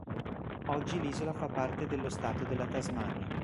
Oggi l'isola fa parte dello Stato della Tasmania.